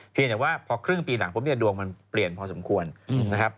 พี่จัญญาบันว่าพอครึ่งปีหลังพวกเนี่ยดวงมันเปลี่ยนพอสมควรนะครับ